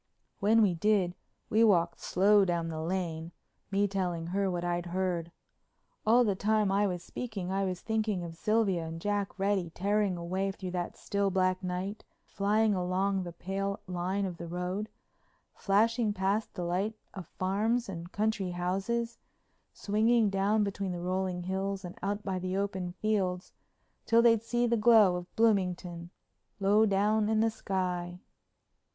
When we did we walked slow down the street, me telling her what I'd heard. All the time I was speaking I was thinking of Sylvia and Jack Reddy tearing away through that still, black night, flying along the pale line of the road, flashing past the lights of farms and country houses, swinging down between the rolling hills and out by the open fields, till they'd see the glow of Bloomington low down in the sky.